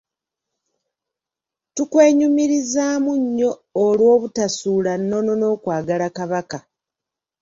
Tukwenyumirizaamu nnyo olw'obutasuula nnono n'okwagala Kabaka.